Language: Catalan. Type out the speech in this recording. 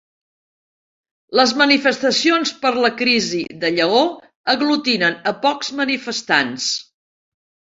Les manifestacions per la crisi de Lleó aglutinen a pocs manifestants